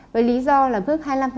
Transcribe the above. với lý do là mức hai mươi năm